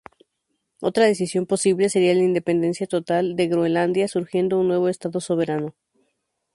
Otra decisión posible sería la independencia total de Groenlandia, surgiendo un nuevo estado soberano.